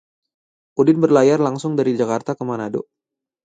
Udin berlayar langsung dari Jakarta ke Manado